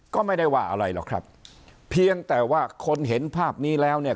ก็ไม่ได้ว่าอะไรหรอกครับเพียงแต่ว่าคนเห็นภาพนี้แล้วเนี่ย